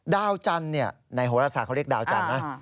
ดาวจันทร์ในโหรศาสเขาเรียกดาวจันทร์นะ